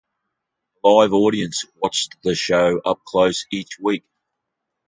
A live audience watched the show up-close each week.